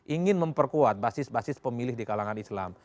ingin memperkuat basis basis pemilih di kalangan islam